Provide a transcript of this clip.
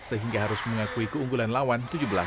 sehingga harus mengakui keunggulan lawan tujuh belas dua puluh satu